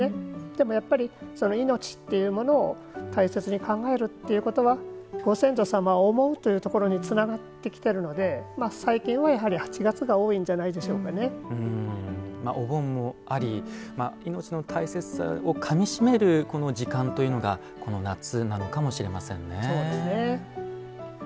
でもやっぱり命っていうものを大切に考えるということはご先祖様を思うというところにつながってきているので最近は、やはり８月がお盆もあり、命の大切さをかみしめる時間というのが夏なのかもしれませんね。